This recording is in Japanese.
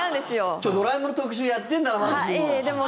今日「ドラえもん」の特集やってるならまだしも。